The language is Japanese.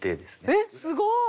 えっすごい！